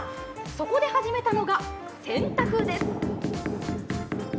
そこで始めたのが、洗濯です。